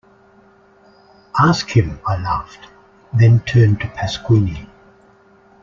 Ask him, I laughed, then turned to Pasquini.